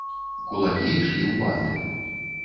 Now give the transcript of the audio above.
Кулакі ішлі ў банды.